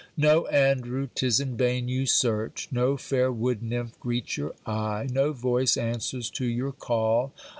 No, Andrew, 'tis in vain you search. No fair wood nymph greets your eye. No voice answers to your call.